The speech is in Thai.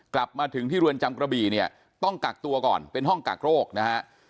กลับมาถึงที่เรือนจำกระบี่เนี่ยต้องกักตัวก่อนเป็นห้องกักโรคนะฮะ